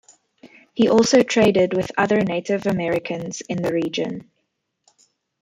He also traded with other Native Americans in the region.